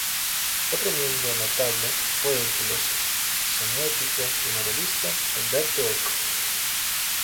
Otro miembro notable fue el filósofo, semiótico y novelista Umberto Eco.